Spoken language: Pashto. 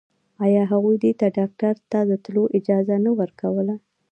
آيا هغوی دې ته ډاکتر ته د تلو اجازه نه ورکوله.